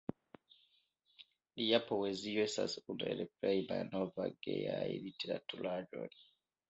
Lia poezio estas unu el plej malnovaj gejaj literaturaĵoj.